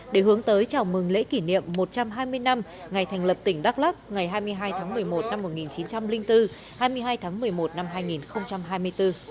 để hướng tới chào mừng lễ kỷ niệm một trăm hai mươi năm ngày thành lập tỉnh đắk lắc ngày hai mươi hai tháng một mươi một năm một nghìn chín trăm linh bốn hai mươi hai tháng một mươi một năm hai nghìn hai mươi bốn